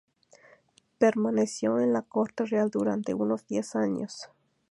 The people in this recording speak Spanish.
Permaneció en la corte real durante unos diez años.